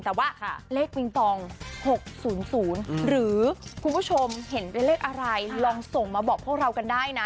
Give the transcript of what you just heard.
แต่ว่าเลขปิงปอง๖๐๐หรือคุณผู้ชมเห็นเป็นเลขอะไรลองส่งมาบอกพวกเรากันได้นะ